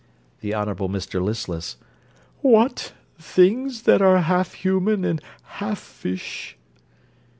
THE HONOURABLE MR LISTLESS What! things that are half human and half fish?